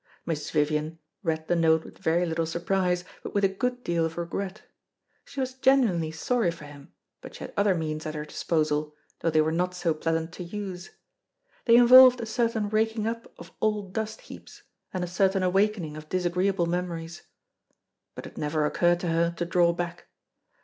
Mrs. Vivian read the note with very little surprise, but with a good deal of regret. She was genuinely sorry for him, but she had other means at her disposal, though they were not so pleasant to use. They involved a certain raking up of old dust heaps, and a certain awakening of disagreeable memories. But it never occurred to her to draw back.